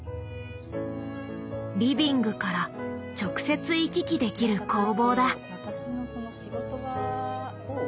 リビングから直接行き来できる工房だ。